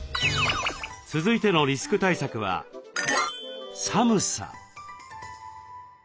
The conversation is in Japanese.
続いてのリスク対策は「寒さ」。